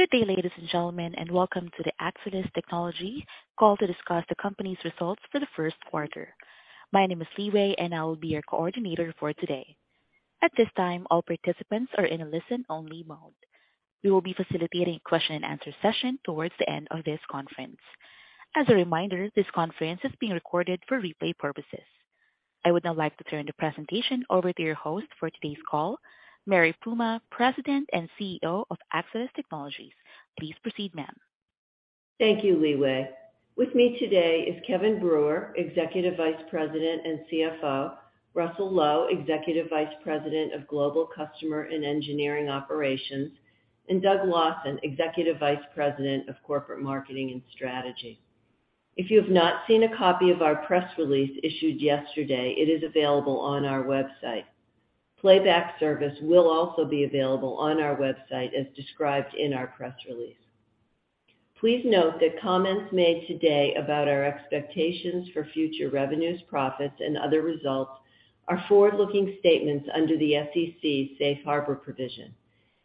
Good day, ladies and gentlemen, and welcome to the Axcelis Technologies call to discuss the company's results for the first quarter. My name is Leeway, and I will be your coordinator for today. At this time, all participants are in a listen-only mode. We will be facilitating a question and answer session towards the end of this conference. As a reminder, this conference is being recorded for replay purposes. I would now like to turn the presentation over to your host for today's call, Mary Puma, President and CEO of Axcelis Technologies. Please proceed, ma'am. Thank you, Leeway. With me today is Kevin Brewer, Executive Vice President and CFO, Russell Low, Executive Vice President of Global Customer and Engineering Operations, and Doug Lawson, Executive Vice President of Corporate Marketing and Strategy. If you have not seen a copy of our press release issued yesterday, it is available on our website. Playback service will also be available on our website as described in our press release. Please note that comments made today about our expectations for future revenues, profits, and other results are forward-looking statements under the SEC's Safe Harbor provision.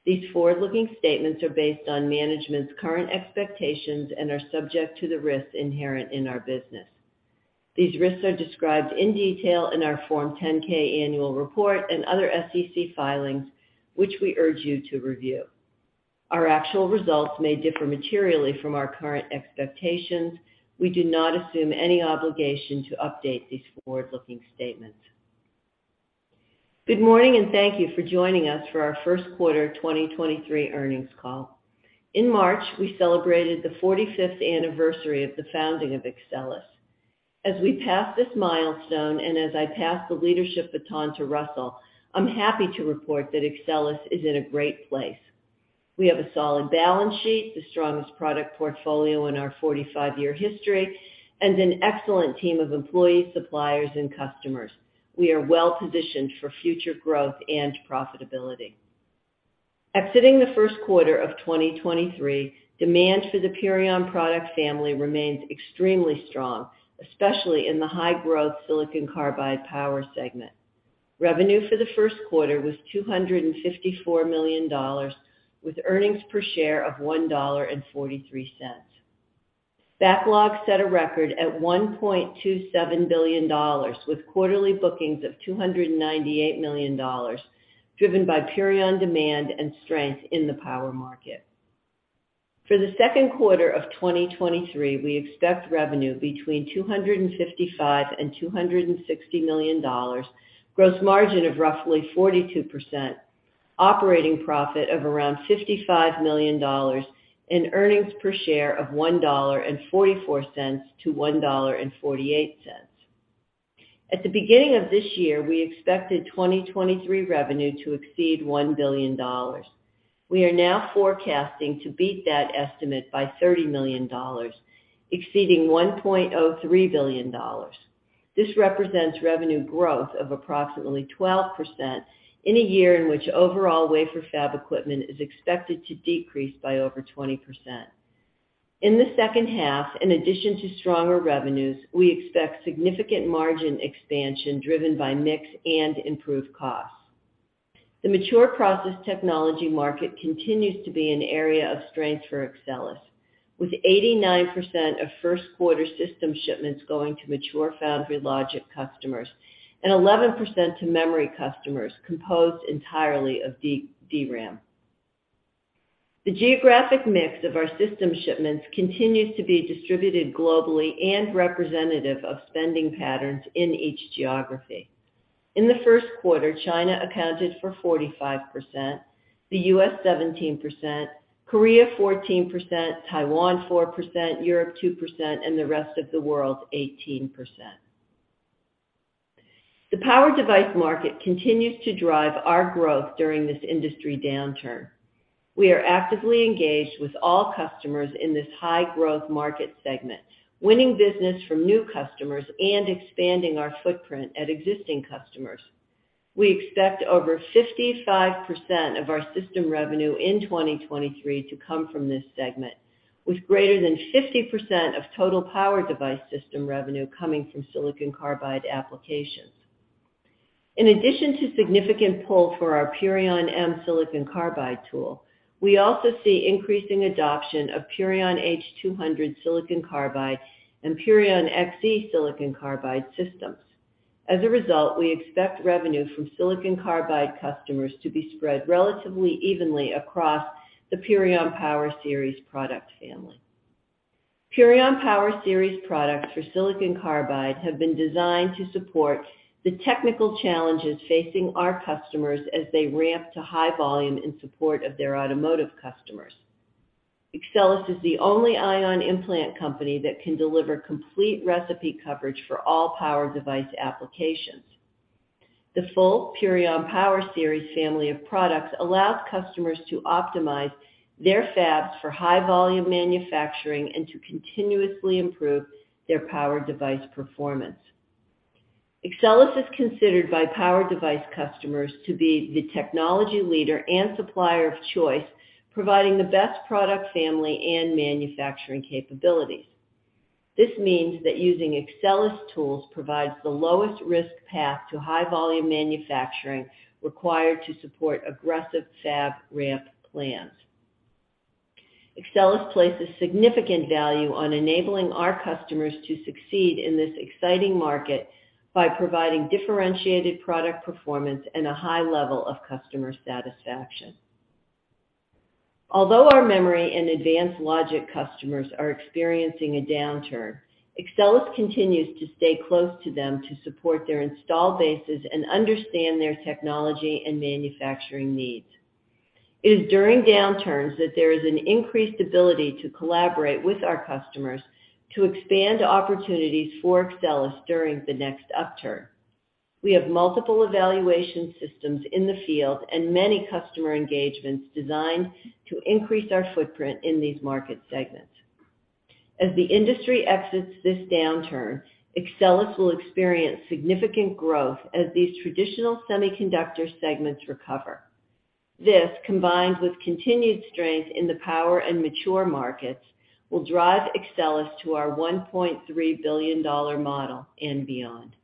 These forward-looking statements are based on management's current expectations and are subject to the risks inherent in our business. These risks are described in detail in our Form 10-K annual report and other SEC filings, which we urge you to review. Our actual results may differ materially from our current expectations. We do not assume any obligation to update these forward-looking statements. Good morning, and thank you for joining us for our first quarter 2023 earnings call. In March, we celebrated the 45th anniversary of the founding of Axcelis. As we pass this milestone, and as I pass the leadership baton to Russell, I'm happy to report that Axcelis is in a great place. We have a solid balance sheet, the strongest product portfolio in our 45-year history, and an excellent team of employees, suppliers, and customers. We are well-positioned for future growth and profitability. Exiting the first quarter of 2023, demand for the Purion product family remains extremely strong, especially in the high-growth silicon carbide power segment. Revenue for the first quarter was $254 million with earnings per share of $1.43. Backlog set a record at $1.27 billion, with quarterly bookings of $298 million, driven by Purion demand and strength in the power market. For the second quarter of 2023, we expect revenue between $255 million and $260 million, gross margin of roughly 42%, operating profit of around $55 million, and earnings per share of $1.44-$1.48. At the beginning of this year, we expected 2023 revenue to exceed $1 billion. We are now forecasting to beat that estimate by $30 million, exceeding $1.03 billion. This represents revenue growth of approximately 12% in a year in which overall wafer fab equipment is expected to decrease by over 20%. In the second half, in addition to stronger revenues, we expect significant margin expansion driven by mix and improved costs. The mature process technology market continues to be an area of strength for Axcelis, with 89% of first quarter system shipments going to mature foundry logic customers and 11% to memory customers composed entirely of D-DRAM. The geographic mix of our system shipments continues to be distributed globally and representative of spending patterns in each geography. In the first quarter, China accounted for 45%, the U.S. 17%, Korea 14%, Taiwan 4%, Europe 2%, and the rest of the world 18%. The power device market continues to drive our growth during this industry downturn. We are actively engaged with all customers in this high growth market segment, winning business from new customers and expanding our footprint at existing customers. We expect over 55% of our system revenue in 2023 to come from this segment, with greater than 50% of total power device system revenue coming from silicon carbide applications. In addition to significant pull for our Purion M SiC tool, we also see increasing adoption of Purion H200 SiC and Purion XE SiC systems. As a result, we expect revenue from silicon carbide customers to be spread relatively evenly across the Purion Power Series product family. Purion Power Series products for silicon carbide have been designed to support the technical challenges facing our customers as they ramp to high volume in support of their automotive customers. Axcelis is the only ion implant company that can deliver complete recipe coverage for all power device applications. The full Purion Power Series family of products allows customers to optimize their fabs for high volume manufacturing and to continuously improve their power device performance. Axcelis is considered by power device customers to be the technology leader and supplier of choice, providing the best product family and manufacturing capabilities. This means that using Axcelis tools provides the lowest risk path to high volume manufacturing required to support aggressive fab ramp plans. Axcelis places significant value on enabling our customers to succeed in this exciting market by providing differentiated product performance and a high level of customer satisfaction. Although our memory and advanced logic customers are experiencing a downturn, Axcelis continues to stay close to them to support their installed bases and understand their technology and manufacturing needs. It is during downturns that there is an increased ability to collaborate with our customers to expand opportunities for Axcelis during the next upturn. We have multiple evaluation systems in the field and many customer engagements designed to increase our footprint in these market segments. As the industry exits this downturn, Axcelis will experience significant growth as these traditional semiconductor segments recover. This, combined with continued strength in the power and mature markets, will drive Axcelis to our $1.3 billion model and beyond.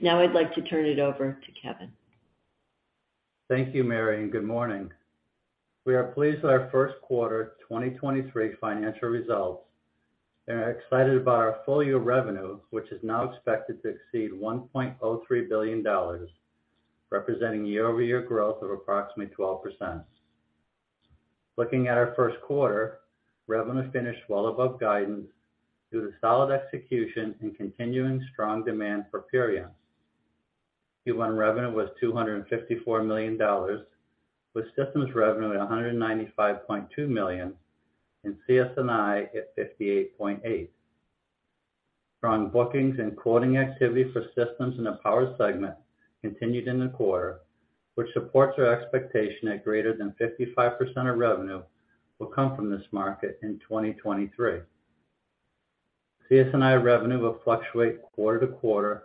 Now I'd like to turn it over to Kevin. Thank you, Mary. Good morning. We are pleased with our first quarter 2023 financial results, and are excited about our full-year revenue, which is now expected to exceed $1.03 billion, representing year-over-year growth of approximately 12%. Looking at our first quarter, revenue finished well above guidance due to solid execution and continuing strong demand for Purions. Q1 revenue was $254 million, with systems revenue at $195.2 million and CS&I at $58.8 million. Strong bookings and quoting activity for systems in the power segment continued in the quarter, which supports our expectation that greater than 55% of revenue will come from this market in 2023. CS&I revenue will fluctuate quarter to quarter,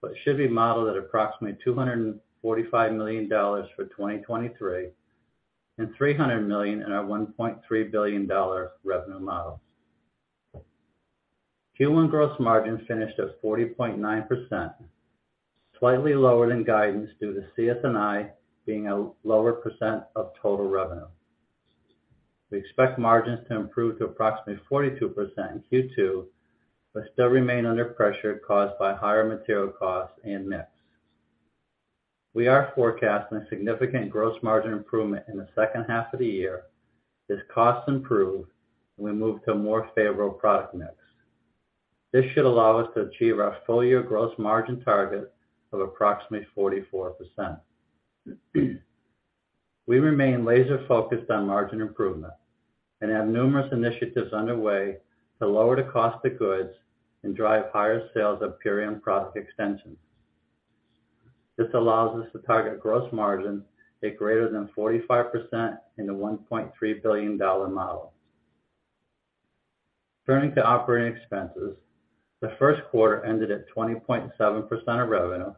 but should be modeled at approximately $245 million for 2023, and $300 million in our $1.3 billion revenue models. Q1 gross margin finished at 40.9%, slightly lower than guidance due to CS&I being a lower % of total revenue. We expect margins to improve to approximately 42% in Q2, but still remain under pressure caused by higher material costs and mix. We are forecasting a significant gross margin improvement in the second half of the year as costs improve and we move to a more favorable product mix. This should allow us to achieve our full-year gross margin target of approximately 44%. We remain laser-focused on margin improvement and have numerous initiatives underway to lower the cost of goods and drive higher sales of Purion product extensions. This allows us to target gross margin at greater than 45% in the $1.3 billion model. Turning to operating expenses, the first quarter ended at 20.7% of revenue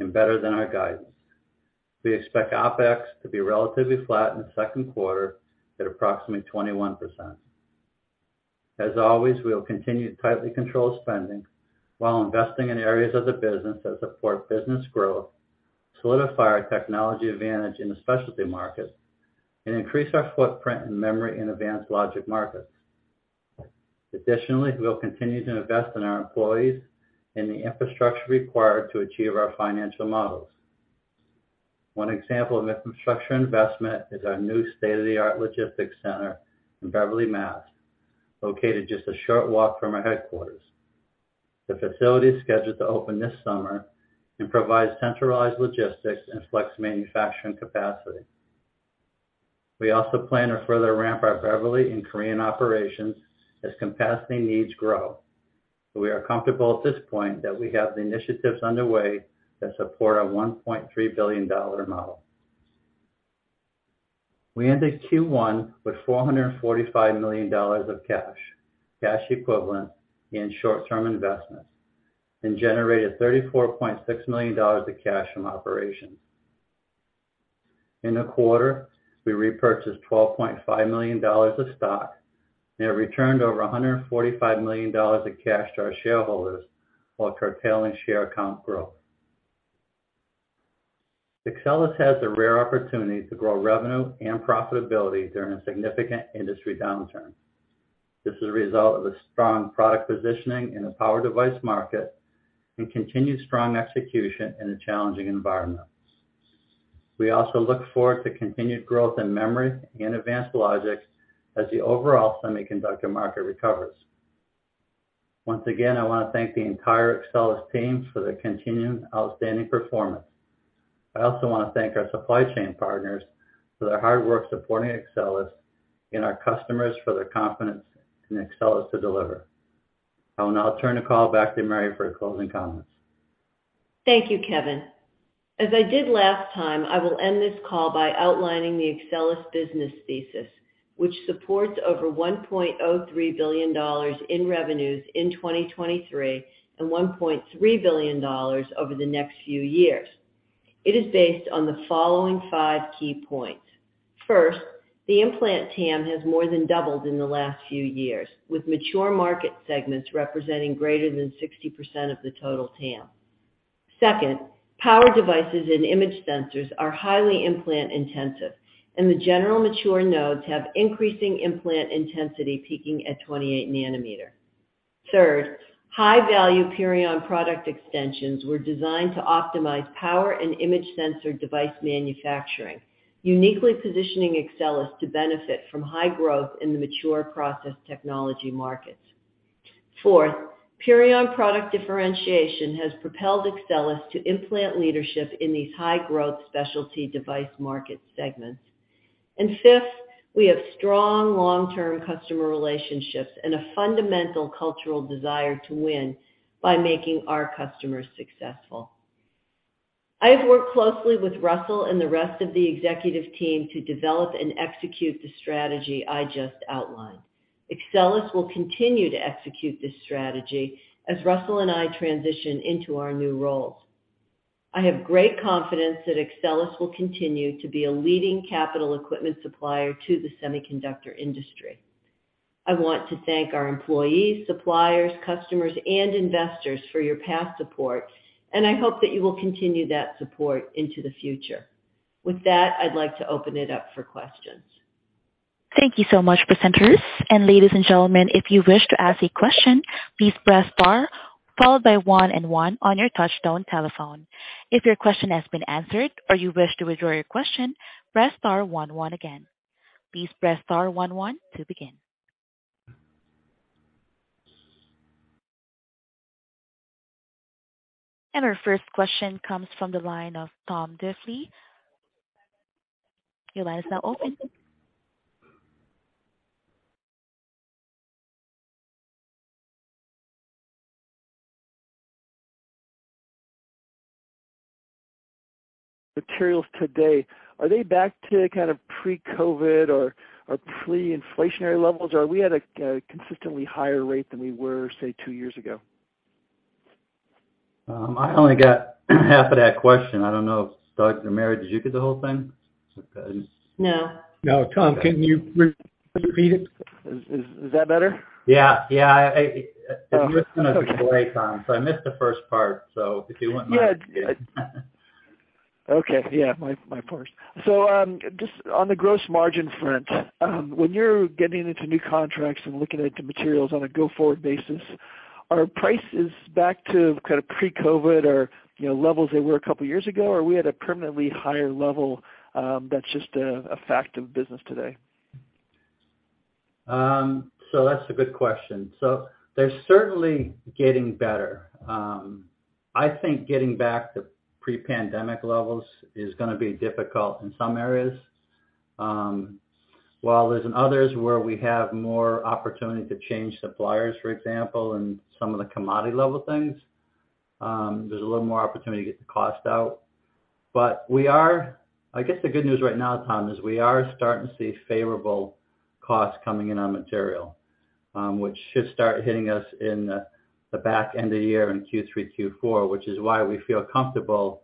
and better than our guidance. We expect OpEx to be relatively flat in the second quarter at approximately 21%. As always, we will continue to tightly control spending while investing in areas of the business that support business growth, solidify our technology advantage in the specialty market, and increase our footprint in memory and advanced logic markets. Additionally, we will continue to invest in our employees and the infrastructure required to achieve our financial models. One example of infrastructure investment is our new state-of-the-art logistics center in Beverly, Mass., located just a short walk from our headquarters. The facility is scheduled to open this summer and provides centralized logistics and flex manufacturing capacity. We also plan to further ramp our Beverly and Korean operations as capacity needs grow, but we are comfortable at this point that we have the initiatives underway that support our $1.3 billion model. We ended Q1 with $445 million of cash equivalent in short-term investments, and generated $34.6 million of cash from operations. In the quarter, we repurchased $12.5 million of stock, and have returned over $145 million of cash to our shareholders while curtailing share count growth. Axcelis has the rare opportunity to grow revenue and profitability during a significant industry downturn. This is a result of a strong product positioning in the power device market and continued strong execution in a challenging environment. We also look forward to continued growth in memory and advanced logic as the overall semiconductor market recovers. Once again, I want to thank the entire Axcelis team for their continued outstanding performance. I also want to thank our supply chain partners for their hard work supporting Axcelis and our customers for their confidence in Axcelis to deliver. I will now turn the call back to Mary for closing comments. Thank you, Kevin. As I did last time, I will end this call by outlining the Axcelis business thesis, which supports over $1.03 billion in revenues in 2023 and $1.3 billion over the next few years. It is based on the following five key points. First, the implant TAM has more than doubled in the last few years, with mature market segments representing greater than 60% of the total TAM. Second, power devices and image sensors are highly implant-intensive, and the general mature nodes have increasing implant intensity, peaking at 28-nanometer. Third, high-value Purion product extensions were designed to optimize power and image sensor device manufacturing, uniquely positioning Axcelis to benefit from high growth in the mature process technology markets. Fourth, Purion product differentiation has propelled Axcelis to implant leadership in these high-growth specialty device market segments. Fifth, we have strong long-term customer relationships, and a fundamental cultural desire to win by making our customers successful. I have worked closely with Russell and the rest of the executive team to develop and execute the strategy I just outlined. Axcelis will continue to execute this strategy as Russell and I transition into our new roles. I have great confidence that Axcelis will continue to be a leading capital equipment supplier to the semiconductor industry. I want to thank our employees, suppliers, customers, and investors for your past support, and I hope that you will continue that support into the future. With that, I'd like to open it up for questions. Thank you so much, presenters. Ladies and gentlemen, if you wish to ask a question, please press star followed by one and one on your touch-tone telephone. If your question has been answered or you wish to withdraw your question, press star one one again. Please press star one one to begin. Our first question comes from the line of Thomas Diffely. Your line is now open. Materials today, are they back to kind of pre-COVID or pre-inflationary levels? Are we at a consistently higher rate than we were, say, two years ago? I only got half of that question. I don't know if Doug or Mary, did you get the whole thing? No. No. Tom, can you re-repeat it? Is that better? Yeah. Yeah. I. Oh, okay. There was kind of a delay, Tom, so I missed the first part. If you wouldn't mind. Okay. My part. Just on the gross margin front, when you're getting into new contracts and looking at the materials on a go-forward basis, are prices back to kind of pre-COVID or, you know, levels they were a couple years ago, or are we at a permanently higher level, that's just a fact of business today? That's a good question. They're certainly getting better. I think getting back to pre-pandemic levels is gonna be difficult in some areas, while there's others where we have more opportunity to change suppliers, for example, and some of the commodity level things, there's a little more opportunity to get the cost out. I guess the good news right now, Tom, is we are starting to see favorable costs coming in on material, which should start hitting us in the back end of the year in Q3, Q4, which is why we feel comfortable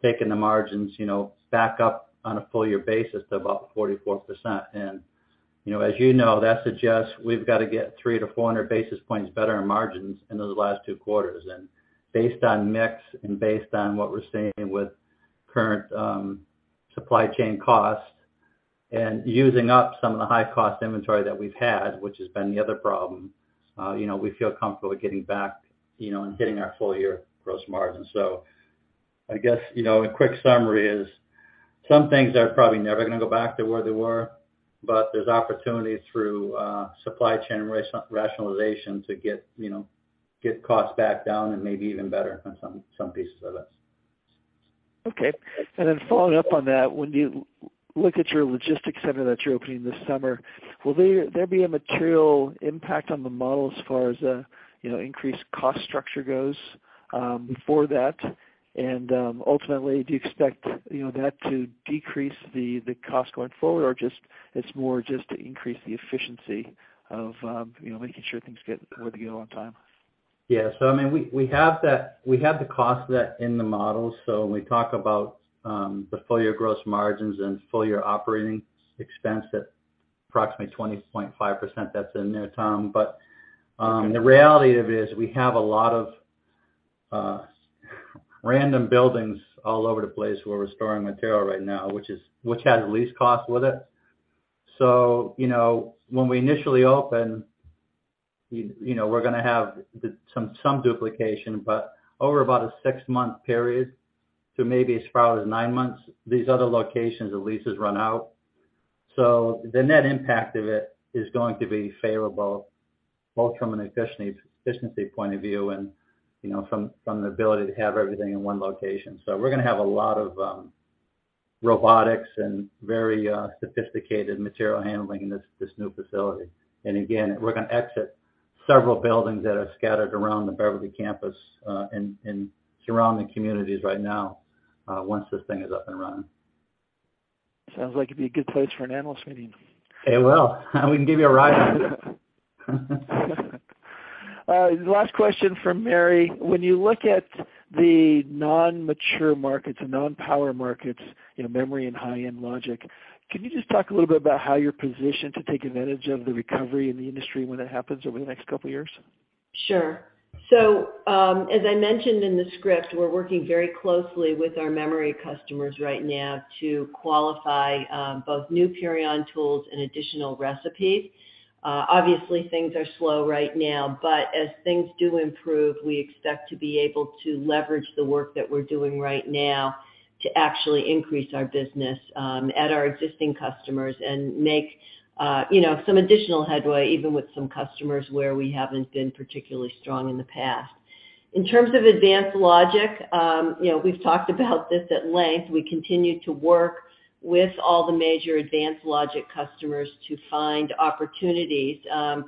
taking the margins, you know, back up on a full year basis to about 44%. As you know, that suggests we've got to get 300-400 basis points better in margins in those last two quarters. Based on mix and based on what we're seeing with current supply chain costs and using up some of the high-cost inventory that we've had, which has been the other problem, you know, we feel comfortable getting back, you know, and hitting our full year gross margin. I guess, you know, a quick summary is some things are probably never gonna go back to where they were, but there's opportunity through supply chain rationalization to get, you know, get costs back down and maybe even better on some pieces of this. Okay. Following up on that, when you look at your logistics center that you're opening this summer, will there be a material impact on the model as far as, you know, increased cost structure goes, before that? Ultimately, do you expect, you know, that to decrease the cost going forward, or just it's more just to increase the efficiency of, you know, making sure things get out the door on time? Yeah. I mean, we have that. We have the cost of that in the models. When we talk about the full year gross margins and full year OpEx at approximately 20.5%, that's in there, Tom. The reality of it is we have a lot of random buildings all over the place where we're storing material right now, which has a lease cost with it. You know, when we initially open, you know, we're gonna have some duplication. Over about a six-month period to maybe as far out as nine months, these other locations, the leases run out. The net impact of it is going to be favorable, both from an efficiency point of view and, you know, from the ability to have everything in one location. We're gonna have a lot of robotics and very sophisticated material handling in this new facility. We're gonna exit several buildings that are scattered around the Beverly campus, in surrounding communities right now, once this thing is up and running. Sounds like it'd be a good place for an analyst meeting. It will. We can give you a ride. Last question from Mary. When you look at the non-mature markets and non-power markets, you know, memory and high-end logic, can you just talk a little bit about how you're positioned to take advantage of the recovery in the industry when it happens over the next couple of years? Sure. As I mentioned in the script, we're working very closely with our memory customers right now to qualify both new Purion tools and additional recipes. Obviously, things are slow right now, but as things do improve, we expect to be able to leverage the work that we're doing right now to actually increase our business at our existing customers and make, you know, some additional headway, even with some customers where we haven't been particularly strong in the past. In terms of advanced logic, you know, we've talked about this at length. We continue to work with all the major advanced logic customers to find opportunities,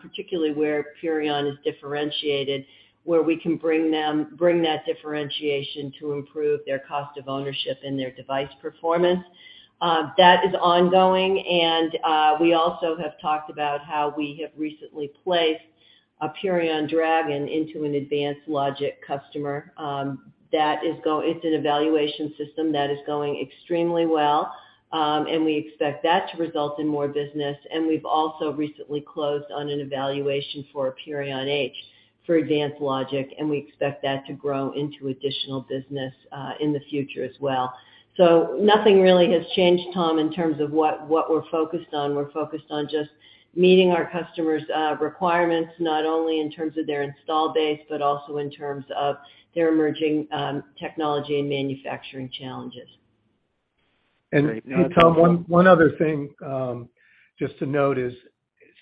particularly where Purion is differentiated, where we can bring that differentiation to improve their cost of ownership and their device performance. That is ongoing, and we also have talked about how we have recently placed a Purion Dragon into an advanced logic customer. That is an evaluation system that is going extremely well, and we expect that to result in more business. We've also recently closed on an evaluation for a Purion H for advanced logic, and we expect that to grow into additional business in the future as well. Nothing really has changed, Tom, in terms of what we're focused on. We're focused on just meeting our customers' requirements, not only in terms of their install base, but also in terms of their emerging technology and manufacturing challenges. Tom, one other thing, just to note is,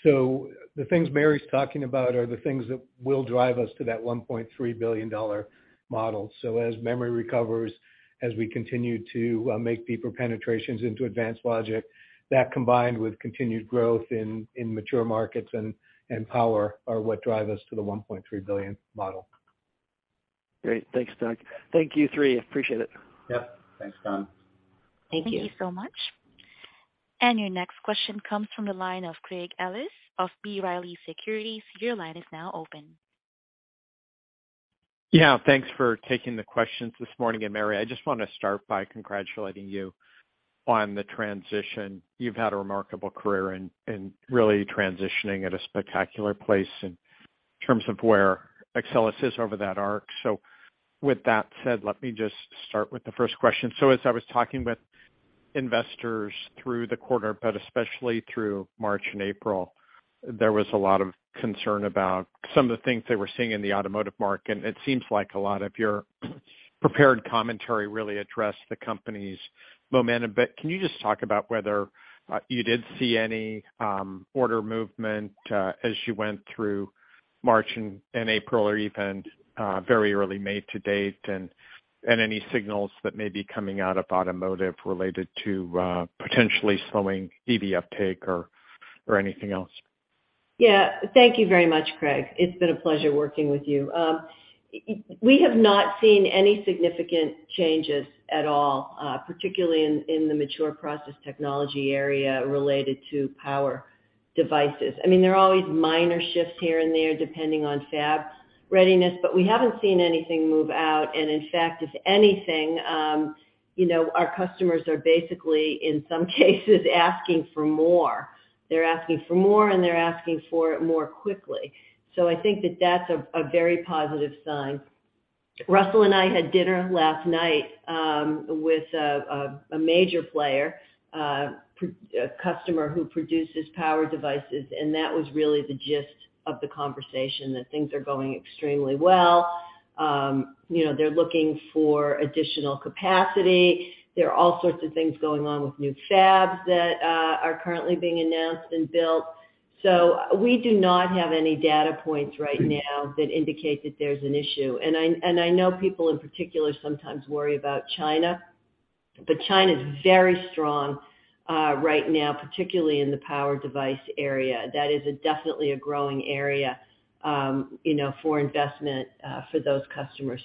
so the things Mary's talking about are the things that will drive us to that $1.3 billion model. As memory recovers, as we continue to make deeper penetrations into advanced logic, that combined with continued growth in mature markets and power are what drive us to the $1.3 billion model. Great. Thanks, Doug. Thank you three. Appreciate it. Yeah. Thanks, Tom. Thank you. Thank you so much. Your next question comes from the line of Craig Ellis of B. Riley Securities. Your line is now open. Yeah. Thanks for taking the questions this morning. Mary, I just wanna start by congratulating you on the transition. You've had a remarkable career and really transitioning at a spectacular place in terms of where Axcelis is over that arc. With that said, let me just start with the first question. As I was talking with investors through the quarter, but especially through March and April, there was a lot of concern about some of the things they were seeing in the automotive market, and it seems like a lot of your prepared commentary really addressed the company's momentum. Can you just talk about whether you did see any order movement as you went through March and April or even very early May to date, and any signals that may be coming out of automotive related to potentially slowing EV uptake or anything else? Thank you very much, Craig. It's been a pleasure working with you. We have not seen any significant changes at all, particularly in the mature process technology area related to power devices. I mean, there are always minor shifts here and there depending on fab readiness, but we haven't seen anything move out. In fact, if anything, you know, our customers are basically, in some cases, asking for more. They're asking for more, and they're asking for it more quickly. I think that that's a very positive sign. Russell and I had dinner last night with a major player, a customer who produces power devices, and that was really the gist of the conversation, that things are going extremely well. You know, they're looking for additional capacity. There are all sorts of things going on with new fabs that are currently being announced and built. We do not have any data points right now that indicate that there's an issue. I, and I know people in particular sometimes worry about China, but China's very strong right now, particularly in the power device area. That is a definitely a growing area, you know, for investment for those customers.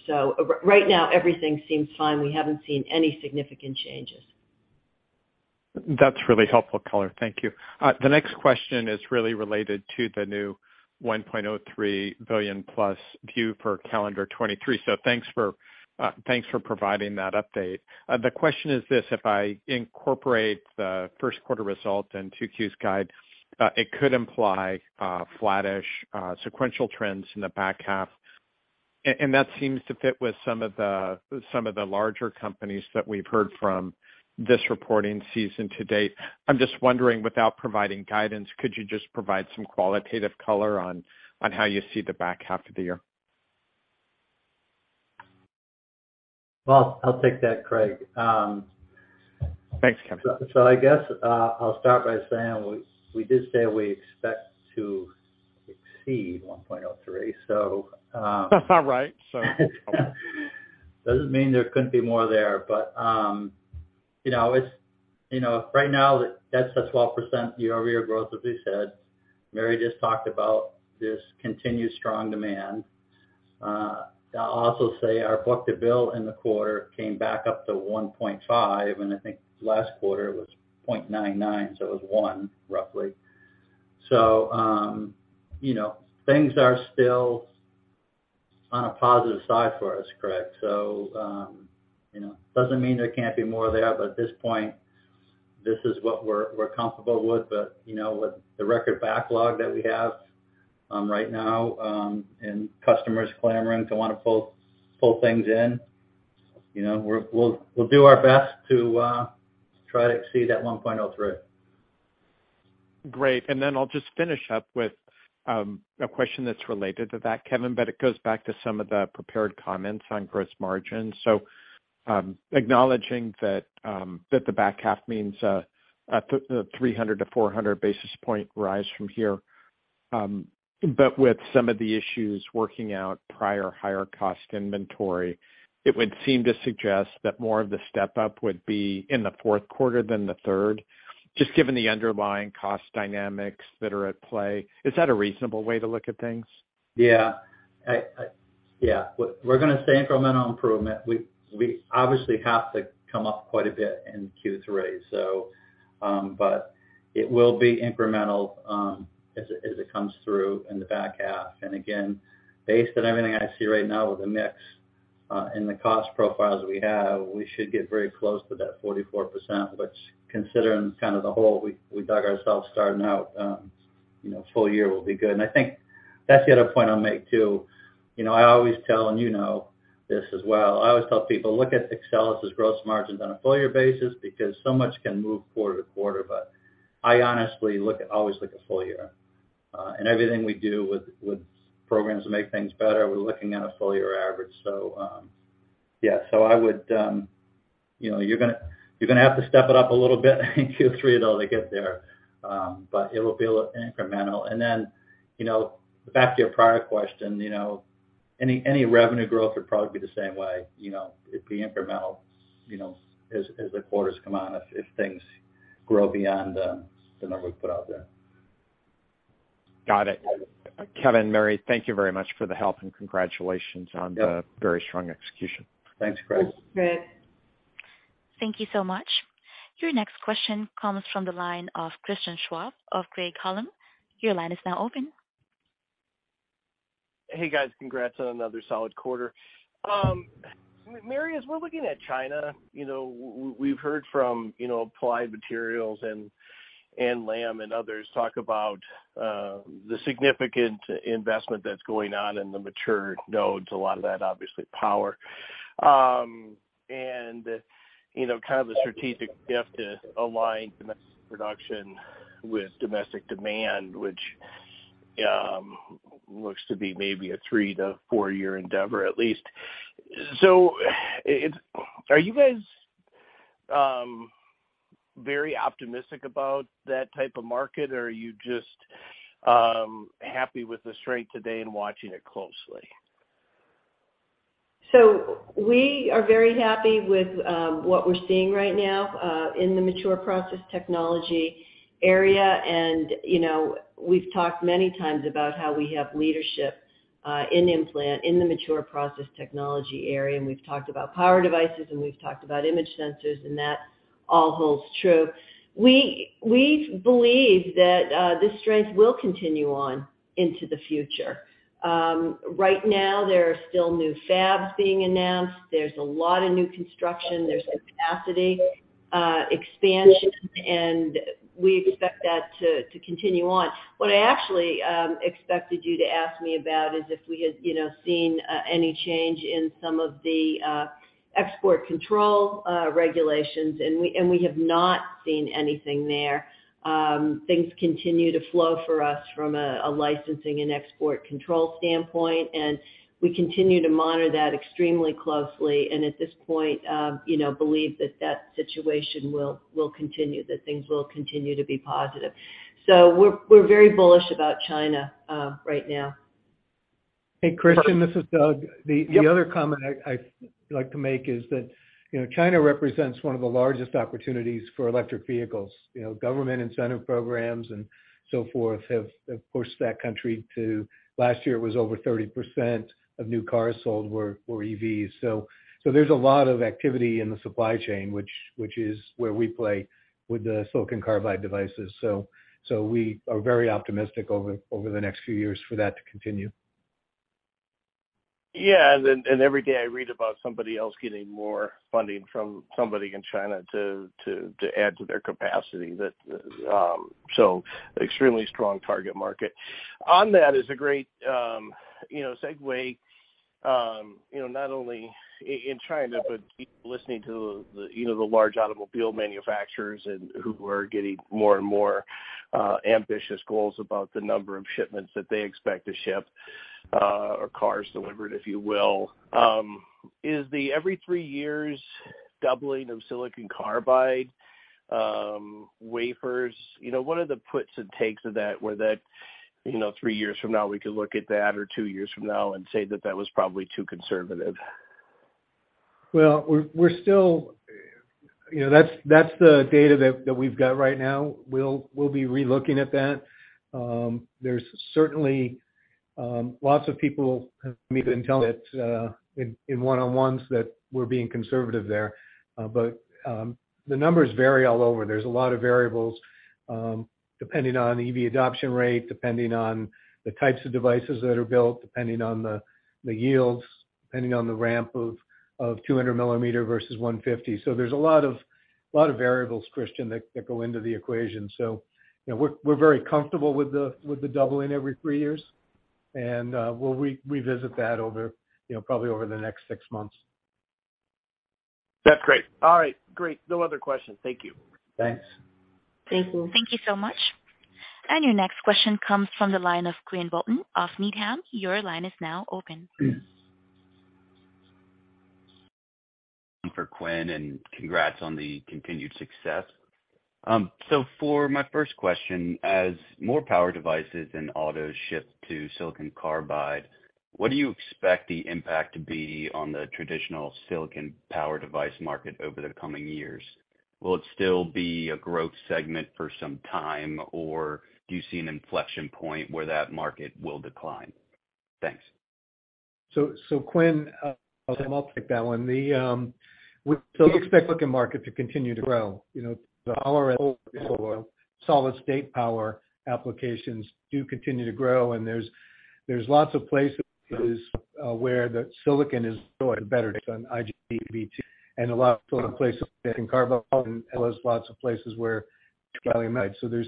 Right now, everything seems fine. We haven't seen any significant changes. That's really helpful color. Thank you. The next question is really related to the new $1.03 billion-plus view for calendar 2023. Thanks for, thanks for providing that update. The question is this, if I incorporate the first quarter results and 2Q's guide, it could imply flattish sequential trends in the back half. That seems to fit with some of the, some of the larger companies that we've heard from this reporting season to date. I'm just wondering, without providing guidance, could you just provide some qualitative color on how you see the back half of the year? Well, I'll take that, Craig. Thanks, Kevin. I guess, I'll start by saying we did say we expect to exceed 1.03. Right. Doesn't mean there couldn't be more there. You know, it's, you know, right now that's a 12% year-over-year growth as we said. Mary just talked about this continued strong demand. I'll also say our book-to-bill in the quarter came back up to 1.5, and I think last quarter it was 0.99, so it was one, roughly. You know, things are still on a positive side for us, Craig. You know, doesn't mean there can't be more of that, but at this point, this is what we're comfortable with. You know, with the record backlog that we have, right now, and customers clamoring to wanna pull things in, you know, we're, we'll do our best to try to exceed that 1.03. Great. I'll just finish up with a question that's related to that, Kevin, but it goes back to some of the prepared comments on gross margin. Acknowledging that the back half means a 300-400 basis point rise from here, but with some of the issues working out prior higher cost inventory, it would seem to suggest that more of the step up would be in the fourth quarter than the third, just given the underlying cost dynamics that are at play. Is that a reasonable way to look at things? Yeah. We're gonna stay incremental improvement. We obviously have to come up quite a bit in Q3, but it will be incremental as it comes through in the back half. Again, based on everything I see right now with the mix and the cost profiles we have, we should get very close to that 44%, which considering kind of the hole we dug ourselves starting out, you know, full year will be good. I think that's the other point I'll make too. You know, I always tell people, look at Axcelis' gross margins on a full year basis because so much can move quarter to quarter, but I honestly always look at full year. Everything we do with programs to make things better, we're looking at a full year average. Yeah, so I would, you know, you're gonna have to step it up a little bit in Q3 though to get there, but it will be incremental. Then, you know, back to your prior question, you know, any revenue growth would probably be the same way. You know, it'd be incremental, you know, as the quarters come on, if things grow beyond the number we put out there. Got it. Kevin, Mary, thank you very much for the help, and congratulations. Yep. the very strong execution. Thanks, Craig. Thanks, Craig. Thank you so much. Your next question comes from the line of Christian Schwab of Craig-Hallum. Your line is now open. Hey, guys. Congrats on another solid quarter. Mary, as we're looking at China, you know, we've heard from, you know, Applied Materials and Lam and others talk about the significant investment that's going on in the mature nodes, a lot of that obviously power. And, you know, kind of the strategic shift to align domestic production with domestic demand, which looks to be maybe a three to four year endeavor at least. Are you guys very optimistic about that type of market, or are you just happy with the strength today and watching it closely? We are very happy with what we're seeing right now in the mature process technology area. You know, we've talked many times about how we have leadership in implant, in the mature process technology area, and we've talked about power devices, and we've talked about image sensors, and that all holds true. We believe that this strength will continue on into the future. Right now there are still new fabs being announced. There's a lot of new construction. There's capacity expansion, and we expect that to continue on. What I actually expected you to ask me about is if we had, you know, seen any change in some of the export control regulations, and we have not seen anything there. Things continue to flow for us from a licensing and export control standpoint. We continue to monitor that extremely closely. At this point, you know, believe that that situation will continue, that things will continue to be positive. We're very bullish about China right now. Hey, Christian, this is Doug. Yep. The other comment I'd like to make is that, you know, China represents one of the largest opportunities for electric vehicles. You know, government incentive programs and so forth have pushed that country to last year it was over 30% of new cars sold were EVs. So there's a lot of activity in the supply chain, which is where we play with the silicon carbide devices. So we are very optimistic over the next few years for that to continue. Yeah. Every day I read about somebody else getting more funding from somebody in China to add to their capacity that, extremely strong target market. On that is a great, you know, segue, you know, not only in China, but listening to the, you know, the large automobile manufacturers and who are getting more and more ambitious goals about the number of shipments that they expect to ship, or cars delivered, if you will. Is the every three years doubling of silicon carbide wafers, you know, what are the puts and takes of that, where that, you know, three years from now we could look at that, or two years from now, and say that that was probably too conservative? Well, we're still... You know, that's the data that we've got right now. We'll, we'll be relooking at that. There's certainly lots of people have been telling it in one-on-ones that we're being conservative there. The numbers vary all over. There's a lot of variables depending on EV adoption rate, depending on the types of devices that are built, depending on the yields, depending on the ramp of 200mm versus 150. There's a lot of variables, Christian, that go into the equation. So, you know, we're very comfortable with the doubling every three years, and we'll revisit that, you know, probably over the next six months. That's great. All right. Great. No other questions. Thank you. Thanks. Thank you. Thank you so much. Your next question comes from the line of Quinn Bolton of Needham. Your line is now open. For Quinn, and congrats on the continued success. For my first question, as more power devices and autos shift to silicon carbide, what do you expect the impact to be on the traditional silicon power device market over the coming years? Will it still be a growth segment for some time, or do you see an inflection point where that market will decline? Thanks. Quinn, I'll take that one. We expect silicon market to continue to grow. You know, the power solid-state power applications do continue to grow, and there's lots of places where the silicon is better than IGBT, and a lot of places where silicon carbide, and there's lots of places where gallium nitride. There's,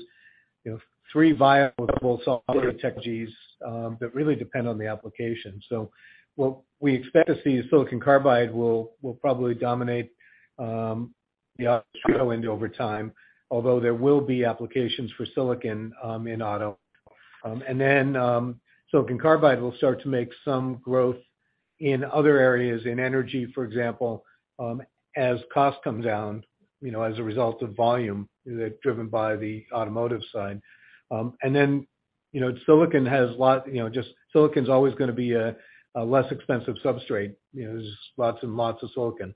you know, three viable solid technologies that really depend on the application. What we expect to see is silicon carbide will probably dominate the auto end over time, although there will be applications for silicon in auto. And then silicon carbide will start to make some growth in other areas, in energy, for example, as cost comes down, you know, as a result of volume driven by the automotive side. And then, you know, silicon has lot... You know, just silicon is always gonna be a less expensive substrate. You know, there's lots and lots of silicon.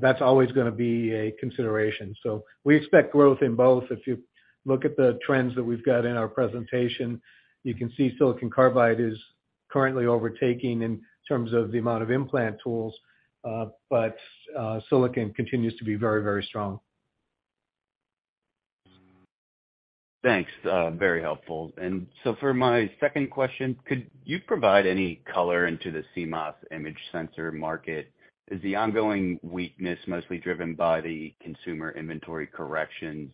That's always gonna be a consideration. We expect growth in both. If you look at the trends that we've got in our presentation, you can see silicon carbide is currently overtaking in terms of the amount of implant tools, but silicon continues to be very, very strong. Thanks. very helpful. For my second question, could you provide any color into the CMOS image sensor market? Is the ongoing weakness mostly driven by the consumer inventory corrections?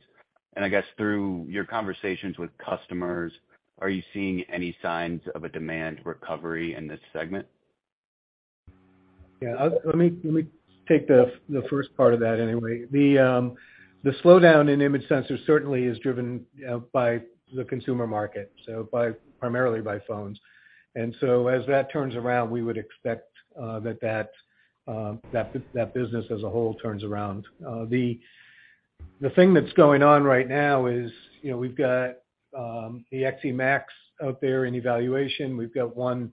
I guess through your conversations with customers, are you seeing any signs of a demand recovery in this segment? Yeah. Let me take the first part of that anyway. The slowdown in image sensors certainly is driven by the consumer market, so by primarily by phones. As that turns around, we would expect that that business as a whole turns around. The thing that's going on right now is, you know, we've got the XEmax out there in evaluation. We've got one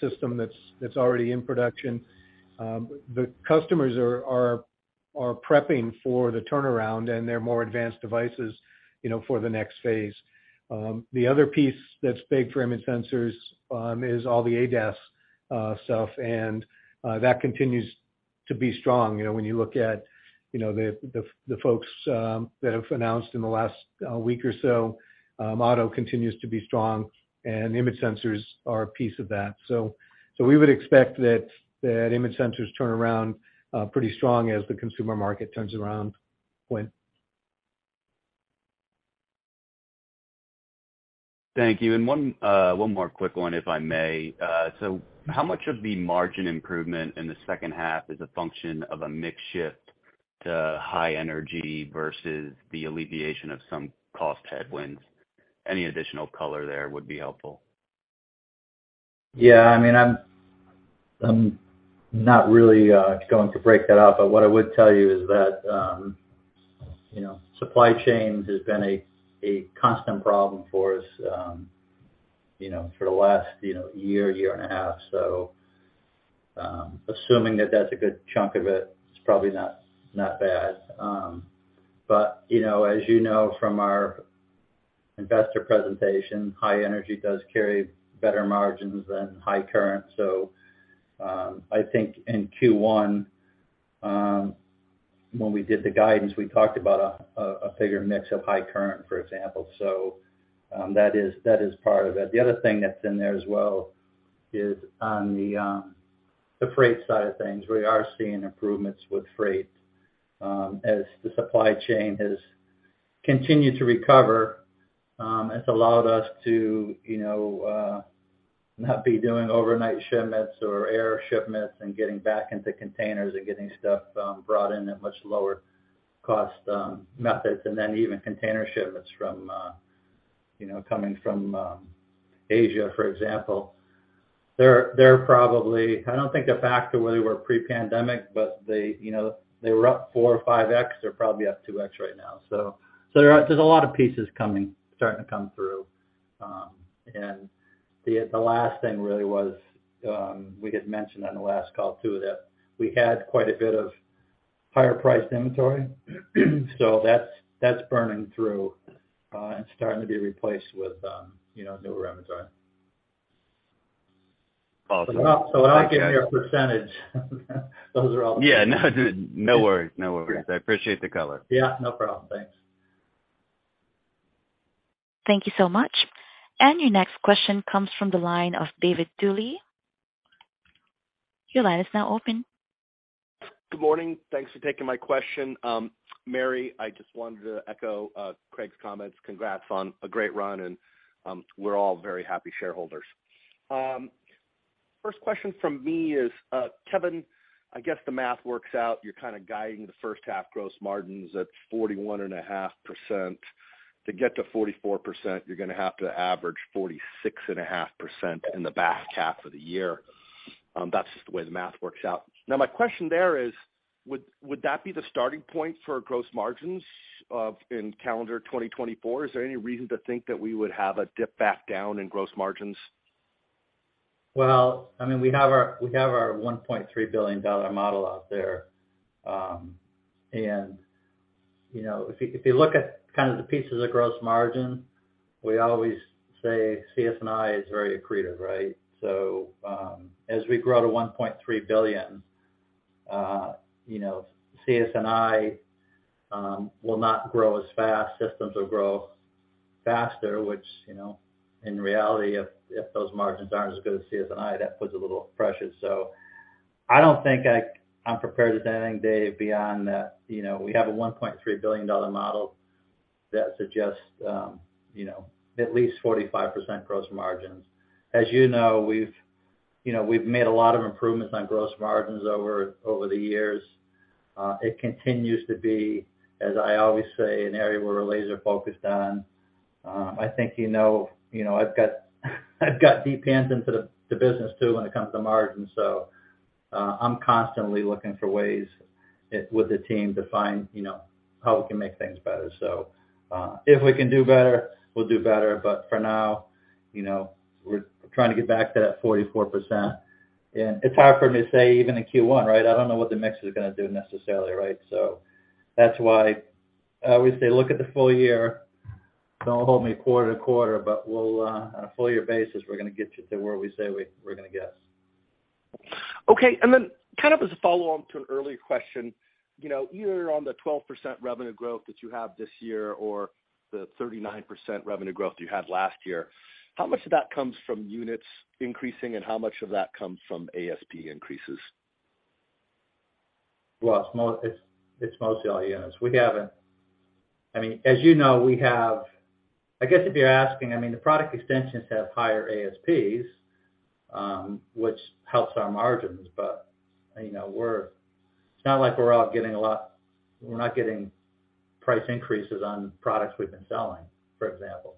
system that's already in production. The customers are prepping for the turnaround and their more advanced devices, you know, for the next phase. The other piece that's big for image sensors is all the ADAS stuff, and that continues to be strong. You know, when you look at, you know, the folks, that have announced in the last week or so, auto continues to be strong, and image sensors are a piece of that. We would expect that image sensors turn around pretty strong as the consumer market turns around, Quinn. Thank you. One, one more quick one, if I may. How much of the margin improvement in the second half is a function of a mix shift to high energy versus the alleviation of some cost headwinds? Any additional color there would be helpful. Yeah. I mean, I'm not really going to break that out, but what I would tell you is that, you know, supply chains has been a constant problem for us, you know, for the last, you know, year and a half. Assuming that that's a good chunk of it's probably not bad. You know, as you know, from our investor presentation, high energy does carry better margins than high current. I think in Q1, when we did the guidance, we talked about a bigger mix of high current, for example. That is part of it. The other thing that's in there as well is on the freight side of things. We are seeing improvements with freight. As the supply chain has continued to recover, it's allowed us to, you know, not be doing overnight shipments or air shipments and getting back into containers and getting stuff, brought in at much lower cost, methods, and then even container shipments from, you know, coming from Asia, for example. They're probably I don't think they're back to where they were pre-pandemic, but they, you know, they were up 4 or 5x. They're probably up 2x right now. There's a lot of pieces coming, starting to come through. The last thing really was, we had mentioned on the last call too, that we had quite a bit of higher priced inventory. That's burning through, and starting to be replaced with, you know, newer inventory. Awesome. When I give you a %, those are. Yeah. No, dude, no worries. No worries. I appreciate the color. Yeah, no problem. Thanks. Thank you so much. Your next question comes from the line of David Duley. Your line is now open. Good morning. Thanks for taking my question. Mary, I just wanted to echo Craig's comments. Congrats on a great run and we're all very happy shareholders. First question from me is Kevin, I guess the math works out. You're kind of guiding the first half gross margins at 41.5%. To get to 44%, you're gonna have to average 46.5% in the back half of the year. That's just the way the math works out. My question there is, would that be the starting point for gross margins of... in calendar 2024? Is there any reason to think that we would have a dip back down in gross margins? I mean, we have our, we have our $1.3 billion model out there. You know, if you, if you look at kind of the pieces of gross margin, we always say CS&I is very accretive, right? As we grow to $1.3 billion, you know, CS&I will not grow as fast, systems will grow faster, which, you know, in reality, if those margins aren't as good as CS&I, that puts a little pressure. I don't think I'm prepared to say anything, Dave, beyond that, you know, we have a $1.3 billion model that suggests, you know, at least 45% gross margins. As you know, we've, you know, we've made a lot of improvements on gross margins over the years. It continues to be, as I always say, an area where we're laser focused on. I think, you know, you know, I've got, I've got deep hands into the business too when it comes to margins. I'm constantly looking for ways with the team to find, you know, how we can make things better. If we can do better, we'll do better. For now, you know, we're trying to get back to that 44%. It's hard for me to say even in Q1, right? I don't know what the mix is gonna do necessarily, right? That's why I always say look at the full year. Don't hold me quarter to quarter, but we'll on a full year basis, we're gonna get you to where we say we're gonna get. Okay. Then kind of as a follow-on to an earlier question, you know, either on the 12% revenue growth that you have this year or the 39% revenue growth you had last year, how much of that comes from units increasing and how much of that comes from ASP increases? It's mostly all units. We haven't. I mean, as you know, we have. I guess if you're asking, I mean, the product extensions have higher ASPs, which helps our margins, but, you know, it's not like we're out getting a lot. We're not getting price increases on products we've been selling, for example,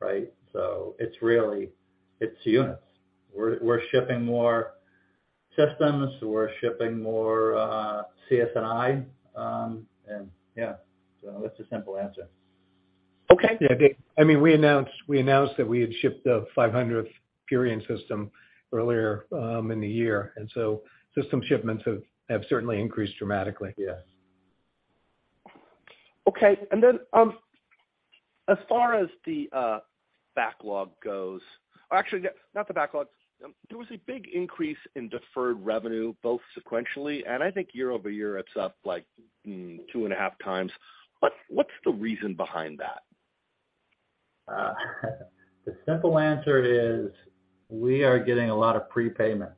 right? It's really, it's units. We're shipping more systems, we're shipping more CS&I. Yeah. That's the simple answer. Okay. Yeah. I mean, we announced that we had shipped the 500th Purion system earlier, in the year, system shipments have certainly increased dramatically. Yes. Okay. As far as the backlog goes, or actually not the backlog. There was a big increase in deferred revenue, both sequentially and I think year-over-year, it's up like 2.5 times. What's the reason behind that? The simple answer is we are getting a lot of prepayments.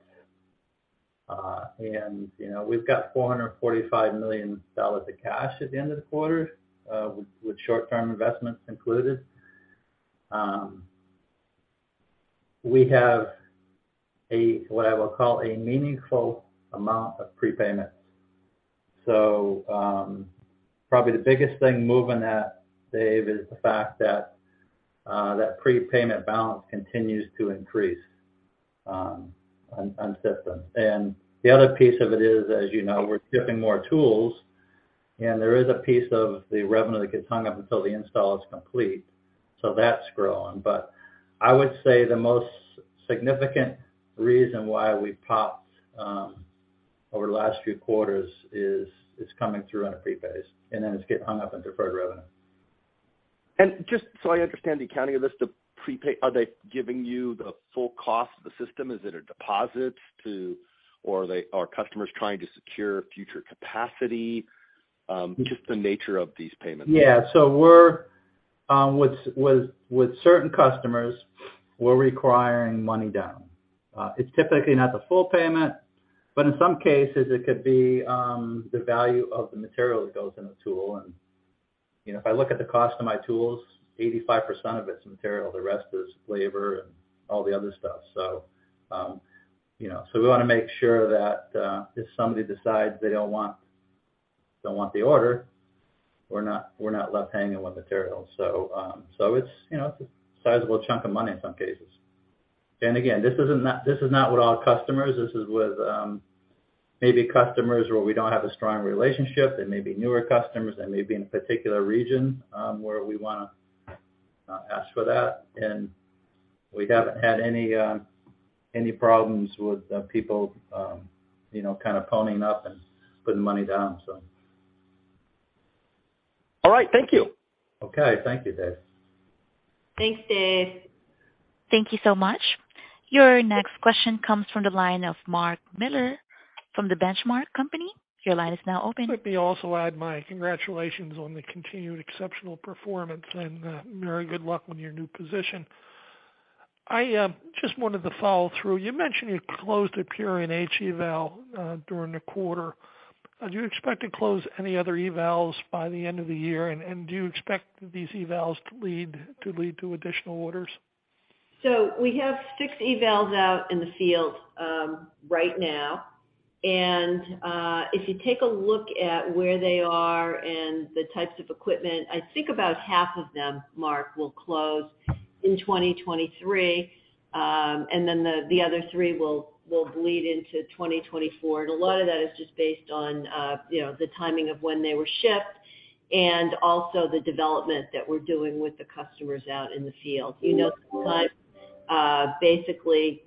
You know, we've got $445 million of cash at the end of the quarter, with short-term investments included. We have a, what I will call a meaningful amount of prepayments. Probably the biggest thing moving that, Dave, is the fact that prepayment balance continues to increase on systems. The other piece of it is, as you know, we're shipping more tools, and there is a piece of the revenue that gets hung up until the install is complete, so that's growing. I would say the most significant reason why we popped over the last few quarters is coming through on a prepay basis, and then it's hung up in deferred revenue. Just so I understand the accounting of this, the prepay, are they giving you the full cost of the system? Is it a deposit or are customers trying to secure future capacity? Just the nature of these payments? Yeah. We're with certain customers, we're requiring money down. It's typically not the full payment, but in some cases it could be the value of the material that goes in the tool. You know, if I look at the cost of my tools, 85% of it's material, the rest is labor and all the other stuff. You know, we wanna make sure that if somebody decides they don't want the order, we're not left hanging with material. It's, you know, a sizable chunk of money in some cases. This is not with all customers. This is with maybe customers where we don't have a strong relationship. They may be newer customers. They may be in a particular region, where we wanna ask for that. We haven't had any problems with people, you know, kind of ponying up and putting money down, so. All right, thank you. Okay, thank you, Dave. Thanks, Dave. Thank you so much. Your next question comes from the line of Mark Miller from The Benchmark Company. Your line is now open. Let me also add my congratulations on the continued exceptional performance, and very good luck on your new position. I just wanted to follow through. You mentioned you closed a Purion H eval during the quarter. Do you expect to close any other evals by the end of the year, and do you expect these evals to lead to additional orders? We have six evals out in the field right now. If you take a look at where they are and the types of equipment, I think about half of them, Mark, will close in 2023. Then the other three will bleed into 2024. A lot of that is just based on, you know, the timing of when they were shipped and also the development that we're doing with the customers out in the field. You know, basically,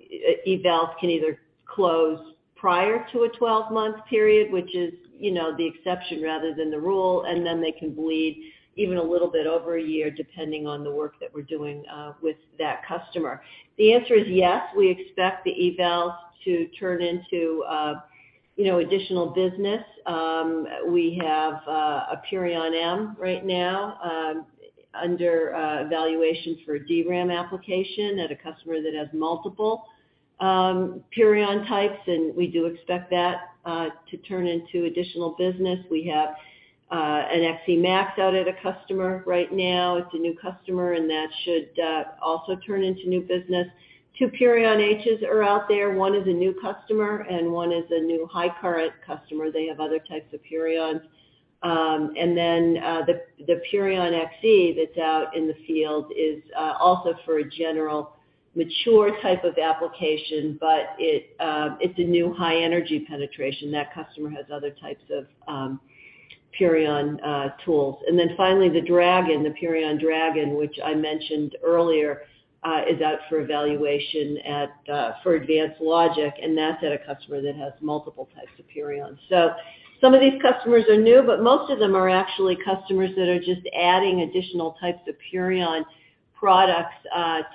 e-evals can either close prior to a 12-month period, which is, you know, the exception rather than the rule, and then they can bleed even a little bit over a year, depending on the work that we're doing with that customer. The answer is yes, we expect the evals to turn into, you know, additional business. We have a Purion M right now under evaluation for a DRAM application at a customer that has multiple Purion types, and we do expect that to turn into additional business. We have an Purion XEmax out at a customer right now. It's a new customer, and that should also turn into new business. Two Purion Hs are out there. One is a new customer, and one is a new high current customer. They have other types of Purions. The Purion XE that's out in the field is also for a general mature type of application, but it's a new high energy penetration. That customer has other types of Purion tools. Finally, the Dragon, the Purion Dragon, which I mentioned earlier, is out for evaluation at for Advanced Logic. That's at a customer that has multiple types of Purions. Some of these customers are new, but most of them are actually customers that are just adding additional types of Purion products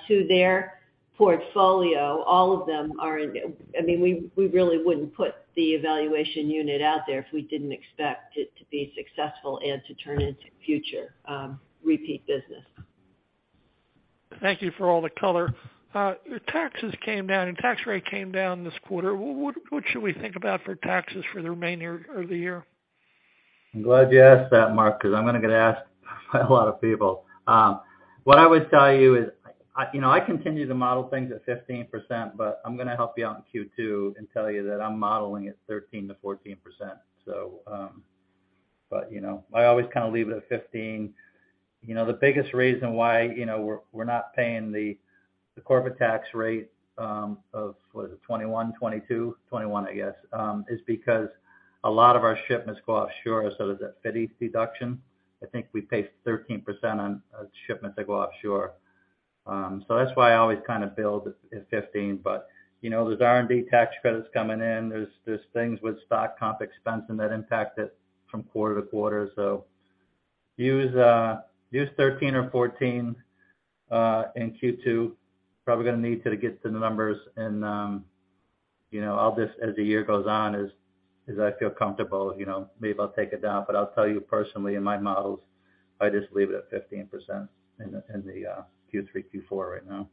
to their portfolio. I mean, we really wouldn't put the evaluation unit out there if we didn't expect it to be successful and to turn into future repeat business. Thank you for all the color. Your taxes came down and tax rate came down this quarter. What should we think about for taxes for the remainder of the year? I'm glad you asked that, Mark, 'cause I'm gonna get asked by a lot of people. What I would tell you is, you know, I continue to model things at 15%, but I'm gonna help you out in Q2 and tell you that I'm modeling at 13%-14%, so, you know. I always kinda leave it at 15. You know, the biggest reason why, you know, we're not paying the corporate tax rate, of what is it, 21, 22? 21, I guess, is because a lot of our shipments go offshore, so there's a FDII deduction. I think we pay 13% on shipments that go offshore. That's why I always kind of build at 15. You know, there's R&D tax credits coming in. There's things with stock comp expense, and that impact it from quarter to quarter. Use 13 or 14 in Q2. Probably gonna need to get to the numbers and, you know, I'll just, as the year goes on, as I feel comfortable, you know, maybe I'll take it down. I'll tell you personally, in my models, I just leave it at 15% in the Q3, Q4 right now.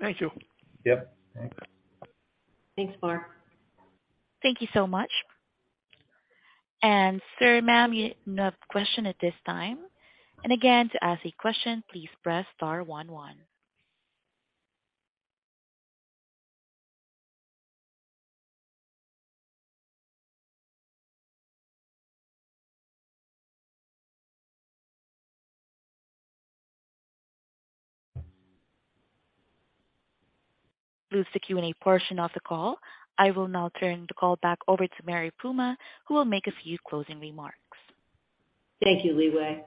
Thank you. Yep. Thanks, Mark. Thank you so much. Sir, ma'am, you have no question at this time. Again, to ask a question, please press star 11. This concludes the Q&A portion of the call. I will now turn the call back over to Mary Puma, who will make a few closing remarks. Thank you, Leeway.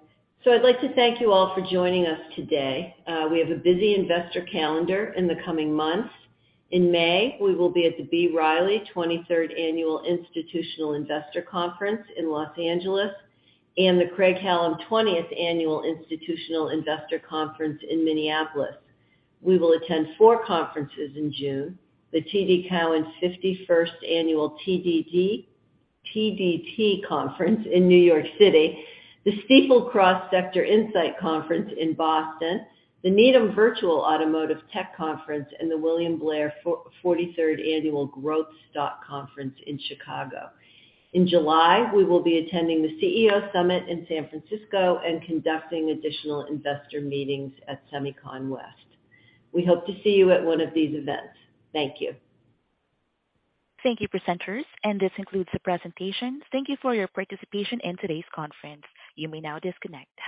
I'd like to thank you all for joining us today. We have a busy investor calendar in the coming months. In May, we will be at the B. Riley 23rd Annual Institutional Investor Conference in L.A. and the Craig-Hallum 20th Annual Institutional Investor Conference in Minneapolis. We will attend four conferences in June: the TD Cowen 51st Annual Technology, Media & Telecom Conference in New York City, the Stifel Cross Sector Insight Conference in Boston, the Needham Virtual Automotive Tech Conference, and the William Blair 43rd Annual Growth Stock Conference in Chicago. In July, we will be attending the CEO Summit in San Francisco and conducting additional investor meetings at SEMICON West. We hope to see you at one of these events. Thank you. Thank you, presenters. This concludes the presentation. Thank you for your participation in today's conference. You may now disconnect. Have a.